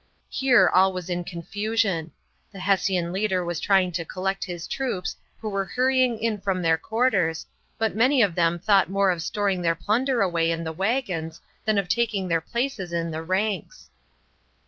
Here all was in confusion. The Hessian leader was trying to collect his troops, who were hurrying in from their quarters, but many of them thought more of storing their plunder away in the wagons than of taking their places in the ranks.